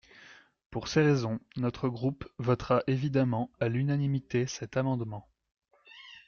Pour ces raisons, notre groupe votera évidemment à l’unanimité cet amendement.